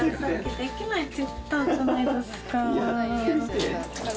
できないって言ったじゃないですか。